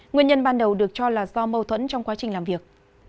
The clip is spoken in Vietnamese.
nguyên nhân ban đầu được cho là do mâu thuẫn trong quá trình làm việc